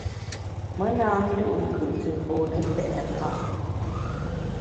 Me na ndù’nkùt te fone pèt mfâ.